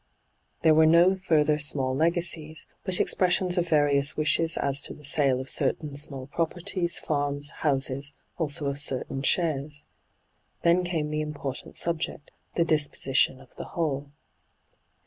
There were no further small legacies, but expressions of various wishes as to the sale of certain small properties, farms, houses, also of certain shares. Then came the important subject, the dis position of the whole.